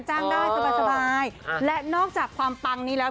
จ้างได้สบายและนอกจากความปังนี้แล้ว